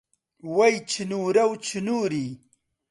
وەی چنوورە و چنووری